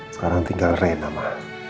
sekarang tinggal rena ma